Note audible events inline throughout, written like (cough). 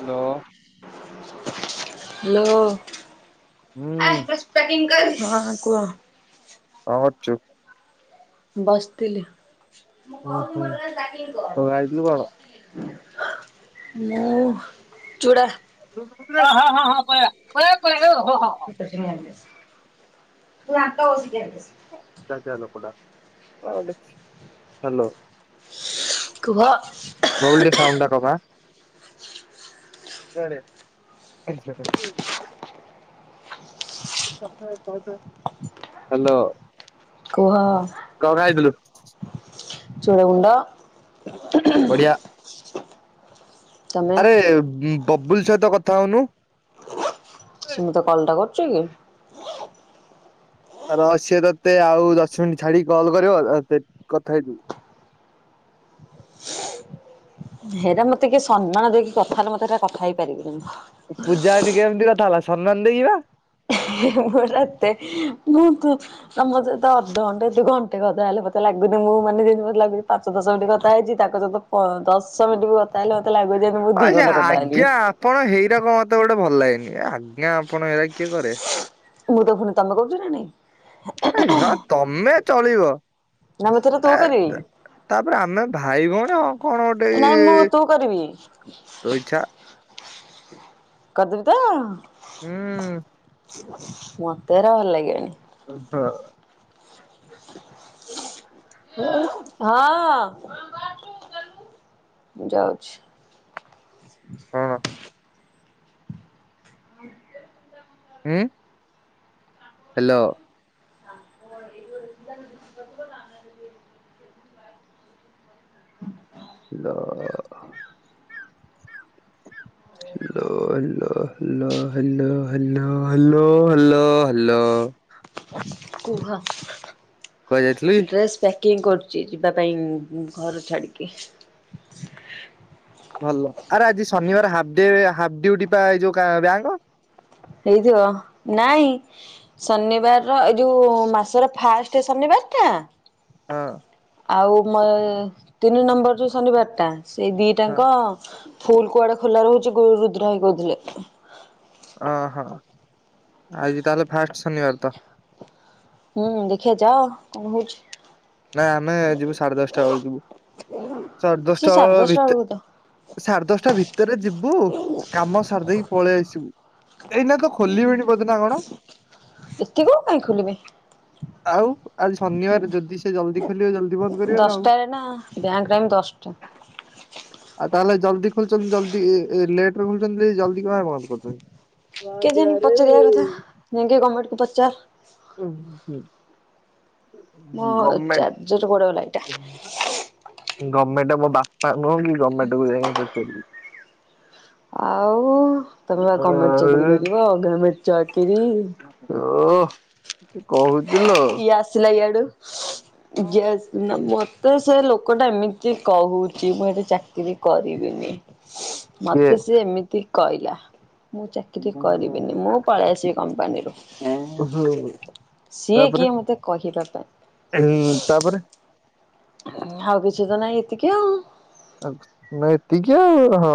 Hello. Hello ହୁଁ (unintelligible) ହଁ କୁହ? କଣ କରୁଚୁ? ବସିଥିଲି। ହୁଁ ହୁଁ ଆଉ ଖାଇଥିଲୁ କଣ? ମୁଁ ଚୁଡ଼ା ହଁ ହଁ ହଁ ପଲା ପଳା ପଳା। (unintelligible) ତୁ ଦାନ୍ତ ଘଷିଦେ। ଅଝଟିଆ ଲୋକ ଟା (unintelligible) ହ୍ୟାଲୋ ଗୋଲଡ ସାଉଣ୍ଡୁ ଦବା କୁଆଡ଼େ (unintelligible) ହ୍ୟାଲୋ କୁହ କଣ ଖାଇଥିଲୁ? (unintelligible) ବଢିଆ ତମେ ଆରେ ବବୁଲ ସହିତ କଥା ହଉନୁ? ସିଏ ମତେ କଲ ଟା କରୁଚିକି। ର ସିଏ ତୋତେ ଆଉ ଦଶ ମିନିଟ ଛାଡିକି କଲ୍ କରିବ କଥା ହେଇଯିବୁ। (inaudible) ହେରା ମତେ କିଏ ସମ୍ମାନ ଦେଇକି କଥାହେଲେ ମତେ ହେରା କଥା ହେଇପାରିବିନିଁ। ପୂଜା ଏନି କେମିତି କଥା ହେଲା, ସମ୍ମାନ ଦେଇ କିବା! ହେ ହେ ହେ ହେ ମୁଁ ରା ଏତେ, ମୁଁ ତ ମତେ ତ, ଅଧ ଘଣ୍ଟେ ଦୁ ଘଣ୍ଟେ କଥା ହେଲା ପଚାରଲା ଗୁରୁ ମୁଁ, ମାନେ ଯେମତି ମତେ ଲାଗୁଛି! ପାଞ୍ଚ ଦଶ ମିନଟ କଥା ହେଇଛି। ତାଙ୍କ ସହିତ ପ ଦଶ ମିନ୍ଟି କଥା ହେଲା। ଆଛା! ଆଜ୍ଞା, ଆପଣ ହେଇରାକ ମତେ ଗୋଟେ ଭଲ ଲାଗେନି। ଆଜ୍ଞା! ଆପଣ ଏରା କିଏ କରେ? ମୁଁ, ତ ଫୁଣି ତମେ କରୁଚ ନା ନାଇଁ? ହଁ, ତମେ ଚଳିବ। ନା ମୁଁ ତରେ ଆ ତୁ କରିବି। ତାପରେ, ଆମେ ଭାଇ ଭଉଣୀ ଅ କଣ ନାଇଁ ମୁଁ ଗୋଟେ-ଇ-ଇ, ତୁ କରିବି। ତୋ ଇଛା! କରଦବିତଁ! ହୁଁ। ମତେ ଏରା ଭଲ ଲାଗିବନି। ହଁ। ହଁ। ହ କଣ ଯାଉଛି। ହୁଁ। ହ୍ୟାଲୋ! (inaudible) ହୁଁ ଲ ଅ-ଅ-ଅ। ଲୋ ଲୋ। Hello, hello, hello, hello, hello, hall. କୁହ। କୁଆ ଯାଇଥିଲି? କେଁ କରୁଛି ଯିବା ପାଇଁ ଘର ଛାଡିକି। ଭଲ ଆରେ ଆଜି ଶନିବାର ହାପ୍ ଡେ ହାପ୍ ଡିଉଟି ପା ଏଯୋଉ କା ବ୍ୟାଙ୍କ। ହେଇଥିବ। ନାଇଁ ଶନିବାର ର ଏଇ ଯୋଉ ମାସର ଫାଷ୍ଟ ଶନିବାର ଅଥା। ହଁ। ଆଉ ମୋ ତିନି ନମ୍ବର ଯଉ ଶନିବାର ଟା। ସେଇ ହଁ ଦିଟାଙ୍କ ଫୁଲ କୁଆଡେ ଖୋଲା ରହୁଛି? ଗୁ ରୁଦ୍ର ଭାଇକହୁଥିଲେ। ଓହୋ! ଆଜି ତାହେଲେ ଫାଷ୍ଟ ଶନିବାର ତ। ହୁଁ, ଦେଖିବା ଯାଅ କଣ ହଉଛି? ନାଇଁ, ଆମେ ଯିବୁ ସାଢେ ଦଶଟା ବେଳୁ ଯିବୁ। ସାଢେ ସେ ଦଶଟା ସାଢ଼େ ଦଶଟା ଭିତେ ବେଳକୁ ତ ସାଢେ ଦଶଟା ଭିତରେ ଯିବୁ। କାମ ସାରିଦେଇକି ପଳେଇ ଆସିବୁ। ଏଇନା ତ ଖୋଲିବିଣି ବଦନା କଣ? ଏତିକି ବେଳକୁ କାଇଁ ଖୋଲିବେ ଆଉ, ଆଜି ଶନିବାର ଯଦି ସେ ଜଲଦି ଖୋଲିବ! ଜଲ ଦଶଟାରେ ନା ବ୍ୟାଙ୍କରେ ଆମେ ଦଶଟା। ଆଉ ତାହେଲେ ଜଲ୍ଦି ଖୋଲୁଛନ୍ତି ଜଲଦି-ଏ -ଇ ଲେଟରେ ଖୋୁଛନ୍ତି ଜଲଦି ଠିକ୍ ଭାବେ ବନ୍ଦ କରୁଛନ୍ତି। ତୁ ଆ ଗୟା କେଜାଣି ରେ ପଚାରିବା କଥା ଯାଇକି ଗଭର୍ଣ୍ଣମେଣ୍ଟକୁ ପଚାର ଉ ହୁଁ ହୁଁ। ମୋ ଚାର୍ ଜର କୁଆଡେ ଗଲା? ଏଇଟା। ଗଭର୍ଣ୍ଣମେଣ୍ଟ ମୋ ବାପା ନୁହଁ କି ଗଭର୍ଣ୍ଣମେଣ୍ଟ କୁ ଯାଇକି ପଚାରିବି? ଆଉ ତମେ ବା ଗମେଣ୍ଟ ଚାକିରି କରିବ? ଗମେଣ୍ଟ ଓହଃ କି କହୁ ଇଏ ଆସିଲା ଇଆଡୁ। ଜସ୍ ନା ମୋତ୍ ତ ସେ ଲୋକଟା ଏମିତି କହୁଛି। ମୁଁ ହେଠେ ଚାକିରି କରିବିନି। କିଏ? ମତେ ସି ଏମିତି କଇଲା। ମୁଁ ଚାକିରି କରିବିନି। ମୁଁ ପଳେଇ ଆସିବି କମ୍ପାନୀରୁ। ଓହୋ ସିଏ ତାପରେ କିଏ ମତେ କହିବା ପାଇଁ? ଉଁ, ତାପରେ ହାଉ କିଛି ତ ନାଇ ଏତିକି ଆଉ। ନୈତିକ୍ୟା, ହଁ।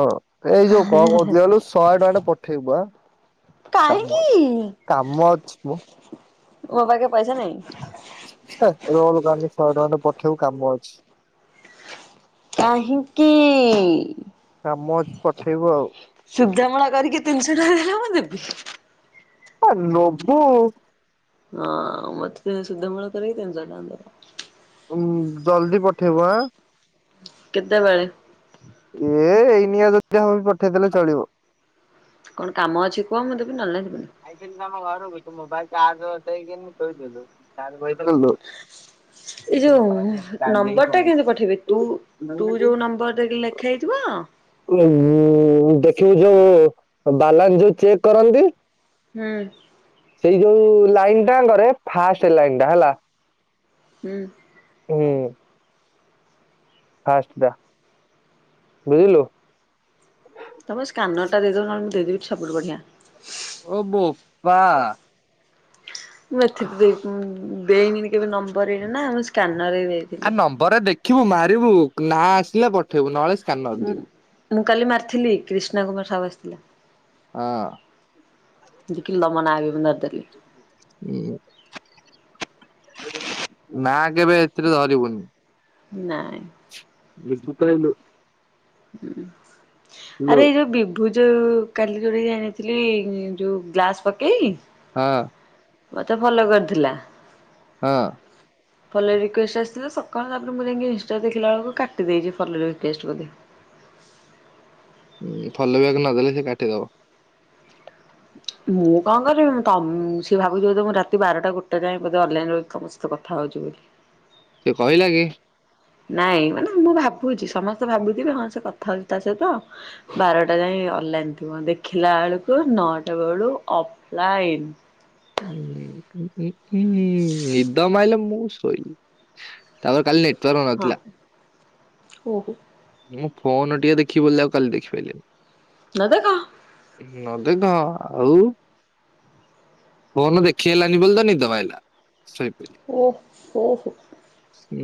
ଏଇ ଯୋଉ କଣ, କହୁଥିଲି କହିଲୁ ଏ ଯୋଉ ଶହେ ଟଙ୍କା ଟେ ପଠେଇବୁ ଆ। କାମ। କାହିଁକି କାମ ଅଛି ମ। ମୋ ପାକେ ପାଇସ ନାଇ। କାଲି ଶହେ ଟଙ୍କାଟେ, ପଠେଇବୁ କାମ ଅଛି। କାହିଁକି? କାମ ଅଛି ପଠେଇବୁ ଆଉ ଶୁଦ୍ଧ ମୂଳ କରିକି ତିନିଶହ ଟଙ୍କା ଦେଲେ ହୁଅନ୍ତାନି? ହ, ନବୁ। ହଁ ମତେ ସୁଧ ମୂଳ କରି ତିନିଶହ ଟଙ୍କା ଦବ। ଜଲଦି ପଠେଇ ବୁ ଆଁ। କେତେବେଳେ? ଏ-ଏଇନିଆ ଯଦି ହବ ପଠେଇଦେଲେ ଚଳିବ। କଣ କାମ ଅଛି କୁହ, ମୁଁ ଦେବି ନ ହେନେ ମୁଁ ଦେବି ଆଇଥିଲି ତମ ଘର କୁ, ତୁ ମୋବାଇଲ ଚାର୍ଜ ବସାଇକି ଶୋଇଥିଲୁ। Charge ବଇ hello. ଏଇ ଯୋଉ ନମ୍ବର ଟା କେମତି ପଠେଇବି? ତୁ, ତୁ ଯୋଉ ନମ୍ବର ରେ ଲେଖା ହୋଇଥିବ। ଉ ଦେଖିବୁ ଯୋଉ ବାଲାନ୍ସ ଯୋଉ ଚେକ୍ କରନ୍ତି। ହୁଁ। ସେଇ ଯୋଉ ଲାଇନ ଟା ଙ୍କରେ, ଫାଷ୍ଟ ଲାଇନ ଟା ହେଲା। ହୁଁ। ହୁଁ। ଫାଷ୍ଟ ଟା ବୁଝିଲୁ। ତମ ସ୍କାନର ଟା ଦେଇଦଉନ, ମୁଁ ଦେଇଦେବି ସବୁଠୁ ବଢିଆ। ଓ ବୋପା। ମୁଁ ଏଥିରେ ଦେଇ- ଦେଇନିନି କେବେ ନମ୍ବର ହେଇନି ନା ମୁଁ ସ୍କାନର ଦେଇଥିଲି। କ୍ୟୁ ମାରିବୁ, ନା ଆସିଲେ ପଠେଇବୁ। ନହେଲେ ସ୍କାନର ଦେବି। ମୁଁ କାଲି ମାରିଥିଲି କ୍ରିଷ୍ଣା କୁମାର ସାହୁ ଆସିଥିଲା। ହଁ। ଦେଖିଲ ତମ ନାଁ ବି ମୁଁ ଧରିଥିଲି। ଏ। ନା କେବେ ଏଥିରେ ଧରିବୁନି। ନାଇଁ। ବିସ୍କୁଟ୍ ଖାଇଲୁ? ହଁ ।ଆରେ ଏଇ ଯୋଉ ବିଭୁ ଯେଉଁ କାଲି ଯେଉଁଠିକି ଯାଇନଥିଲି, ଯେଉଁ ଗ୍ଲାସ୍ ପକେଇ ହଁ। ମତେ ଭଲ କରିଥିଲା। ହଁ। ଫୋଲ ରିକ୍ୱେଷ୍ଟ ଆସିଥିଲା, ସକାଳ ତାପରେ, ମୁଁ ଯାଇକି ଇଷ୍ଟା ରେ ଦେଖିଲା ବେଳକୁ କାଟି ଦେଇଛି ଫୋଲ ରିକ୍ୱେଷ୍ଟ ବୋଧେ। ହୁଁ, ଫୋଲୋ ବ୍ୟାକ୍ ନଦେଲେ ସେ କାଟିଦବ। ମୁଁ କଣ କରିବି? ତମ-ସିଏ ଭାବୁଛିି ବୋଧେ, ମୁଁ ରାତି ବାରଟା ଗୋଟୋ ଯାଏ ବୋଧେ ଅନଲାଇନ ରି ତମ ସହ କଥା ହୋଉଛି ବୋଲି। ସେ କହିଲ କି? ନାଇଁ, ମାନେ ମୁଁ ଭାବୁଛି, ସମସ୍ତେ ଭାବୁଥିବେ ହଁ ସେ କଥା ହଉଛି, ତା ସହିତ ବାରଟା ଯାଏ ଅନଲାଇନ୍ ଥିବ ଦେଖିଲା ବେଳକୁ ନଅଟା ବେଳୁ ଅଫଲାଇନ୍। ହୁଁ, ହୁଁ, ହୁଁ ।ନିଦ ମାଇଲେ ମୁଁ ସୋଇଲି। ତାପରେ କାଲି ନେଟୱର୍କ ହଁ ନଥିଲା। ଓହୋ। ମୁଁ ଫୋନ ଟିକେ ଦେଖିବି ବୋଲି ଆଉ କାଲି ନ ଦେଖ ଦେଖିପାରଲିନି ନ ଦେଖ ଆଉ ଫୋନ ଦେଖି ହେଲାନି ବୋଲି ତ ନିଦ ମାଇଲା। ଶୋଇପଇଲି ଓ ହୋ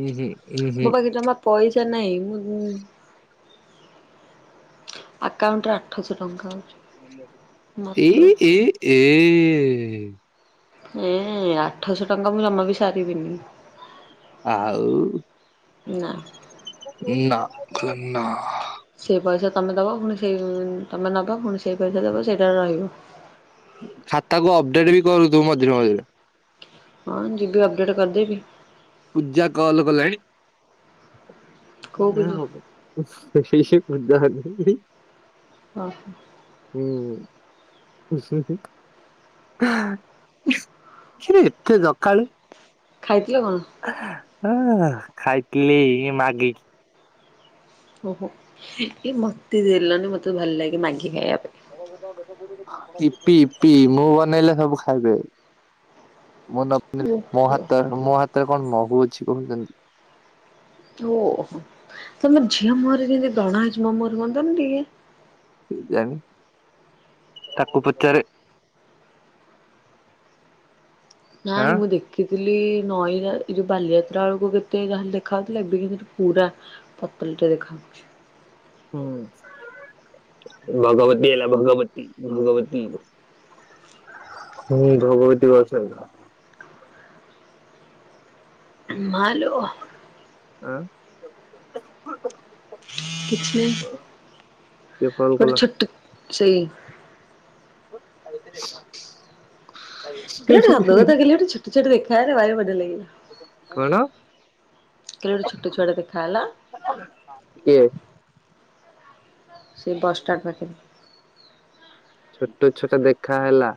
ଉଁ ହୁଁ ଉଁ ହୁଁ। ପାଖରେ ଜମା ପଇସା ନହିଁ। ମୁଁ ଆକାଉଣ୍ଟର ଏ ମାତ୍ର। ଏ ଏ ଏ ଆଠଶହ ଟଙ୍କା ମୁଁ ଜମା ବି ସାରିବିନି। ଆଉ ନା ନା ନା। ସେଇ ପଇସା ତମେ ଦବ ପୁଣି ସେଇ ତମେ ନବ। ପୁଣି ସେଇ ପଇସା ଦବ ସେଇଟାରେ ରହିବ। ଖାତାକୁ ଅପଡେଟ ବି କରୁଥୁବୁ ମଝିରେ ମଝିରେ। ହଁ ଯିବି ଅପଡେଟ କରିଦେବି। ପୂଜା କଲ କଲାଣି। କୋଉକୁ ଯି (unintelligible) ଓ ହୋ। (inaudible) ସେ ଏତେ ସକାଳୁ। ଖାଇଥିଲ କଣ? ହଁ ଖାଇଥିଲି ମାଗି। ଓହୋ ଏ ମତେ ଦେଲନି, ମତେ ଭଲ ଲାଗେ ମାଗି ଖାଇବା ପାଇଁ। (unintelligible) ୟିପି ୟିପି ମୁଁ ବନେଇଲେ ସବୁ ଖାଇବେ। ମୁଁ ନଥିଲେ ମୋ ଓହୋ ହାତ ମୋ ହାତ ଓହୋ ତମ ଝିଅ ମୁହଁରେ କେମିତି ବ୍ରଣ ଆଜି ମୋ ମୁହଁରେ ହୁଅନ୍ତାନି ଟିକେ। କେଜାଣି ତାକୁ ପଚାରେ। ନାଇଁ ଆଁ ମୁଁ ଦେଖିଛିି। ଥିଲି ନଇରା ଏ ଯୋଉଁ ବାଲିଯାତ୍ରା ବେଳକୁ କେତେ ଯାହେଲେ ଦେଖା ଯାଉଥିଲା। ଏବେ କିନ୍ତୁ ପୁରା ପତଳୀ ଟେ ଦେଖାହଉଛି। ହୁଁ। ଭଗବତୀ ହେଲା ଭଗବତୀ ଭଗବତୀ। ହୁଁ ଭଗବତୀ ଯାଉଚି। ମାଲୋ। ଆଁ। କିଛି କିଏ କଲ୍ ଗୋଟେ କଲା ଛୋଟ ସେଇ। (unintelligible) (unintelligible) ଛୋଟ ଛୋଟ ଦେଖା ହେଲେ ଭାରି ବଢ଼ିଆ ଲାଗିବ । କଣ କାଲି ଗୋଟେ ଛୋଟ ଛୁଆଡେ ଦେଖା ହେଲା। କିଏ ସେ ବସ୍ ଷ୍ଟପ ପାଖରେ। ଛୋଟ ଛୁଆଟା ଦେଖା ହେଲା।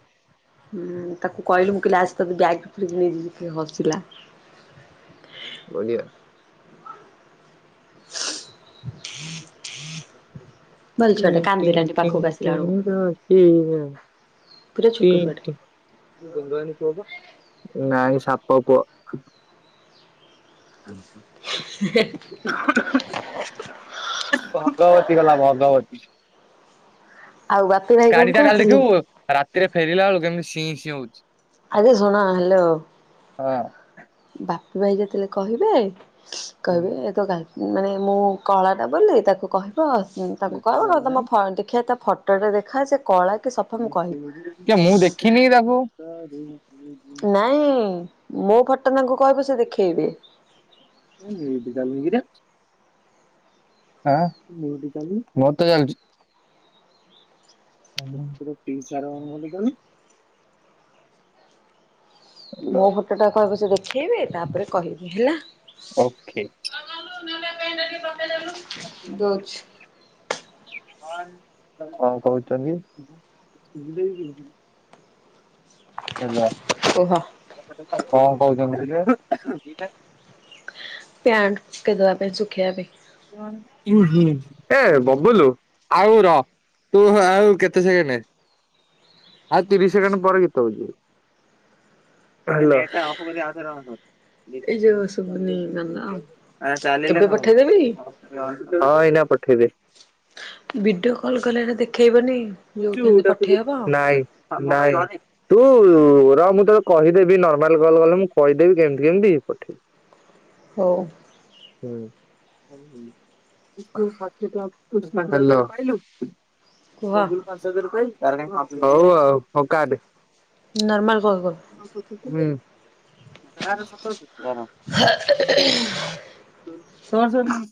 ହୁଁ ତାକୁ କହିଲି ମୁଁ କହିଲି, ଆସ ତତେ ବ୍ୟାଗରେ ପୂରେଇକି ନେଇଯିବି କେ ହସିଲା। ବଢ଼ିଆ। (inaudible) (unintelligible) ଛୁଆଟେ କାନ୍ଦିଲାନି ପାଖକୁ ଆସିଲା ବେଳକୁ ପୁରା ଛୋଟ ଛୁଆଟେ। (unintelligible) ନାଇଁ ସାପ ପୁଅ। ଅ ହଁ। (inaudible) ଭଗବତୀ ଗଲା ଭଗବତୀ । ଆଉ ବାପି ଭାଇ କଣ ଗାଡି ଟା କାଲି କରୁଥିଲେ? ଦେଖିବୁ। ରାତିରେ ଫେରିଲା ବେଳକୁ କେମିତି ସିଇଁ ସିଁ ହଉଛି। ଆରେ ଶୁଣ ହ୍ୟାଲୋ ହଁ ବାପି ଭାଇ ଯେତେବେଳେ କହିବେ କହିବି ଏ ତ ଗା ମାନେ ମୁଁ କଳା ଟା ବୋଲି ତାକୁ କହି ହ ତାଙ୍କୁ କ ତମ ଫ ଦେଖିବା ତା ଫଟୋଟେ ଦେଖା ସେ କଳା କି ସଫା ମୁଁ କହିବି। କେ ମୁଁ ଦେଖିନିକି ତାକୁ। ନାଇଁ ମୋ ଫଟ ତାଙ୍କୁ କହିବୁ ସେ ଦେଖେଇବେ। ହଁ ମିଉଟୁ ଚାଲୁନି କିରେ ହଁ ମିଉଟ ଚାଲୁନି ମୋର ତ ଚାଲୁଛି। (unintelligible) (inaudible) ମୋ ଫଟୋଟା କହିବ ସେ ଦେଖେଇବେ ତାପରେ କହିବି ହେଲା। ଓକେ। ଦଉଛି କଣ କହୁଛନ୍ତି? ହ୍ୟାଲୋ। କୁହ। କଣ କହୁ ପ୍ୟାଂଟ ଶୁଖେଇ ଦେବା ପାଇଁ ଶୁଖେଇବାପାଇଁ ହେ ବବୁଲୁ ଆଉ ର ତୁ ଆଉ କେତେ ସେକେଣ୍ଡ ଆଉ ତିରିଶ ସେକେଣ୍ଡ ପରେ ଗୀତ ହଉଛି। ହ୍ୟାଲୋ। ଏଇ ଯୋଉ ଶୁଭୁନି ଗଲା ଆଉ। ଚାଲିଲେ ଏବେ ହଁ ପଠେଇଦେବି ଏଇନା ପଠେଇବି ଭିଡିଓ କଲ କଲେ ଏଟା ଦେଖେଇବନି ଯୋଉ କେମିତି ପଠେଇ ହବ। ନାଇଁ ନାଇଁ ତୁ ର ମୁଁ ତତେ କହିଦେବି ନର୍ମାଲ କଲ କଲେ ମୁଁ କହିଦେବି କେମିତି କେମିତି ପଠେଇବି। ହଉ। ହ୍ୟାଲୋ। କୁହ ବବୁଲ ପାଞ୍ଚ ହଜାର ପାଇଚି। ହଉ ଆଉ ହଉ କାଟେ। ନର୍ମାଲ କଲ୍ କର। ଏଟ କାର ସ ତୋର ସ